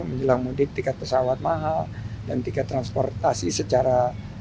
menjelang mudik tiket pesawat mahal dan tiket transportasi secara